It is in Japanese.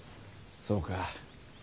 そうか。